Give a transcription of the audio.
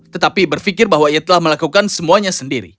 tetapi berpikir bahwa ia telah melakukan semuanya sendiri